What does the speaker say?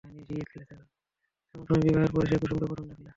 এমন সময় বিবাহের পরে সে কুমুকে প্রথম দেখলে।